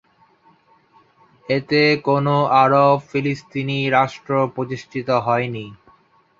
এতে কোনো আরব ফিলিস্তিনি রাষ্ট্র প্রতিষ্ঠিত হয়নি।